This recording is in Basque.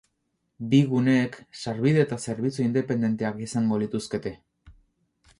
Bi guneek sarbide eta zerbitzu independenteak izango lituzkete.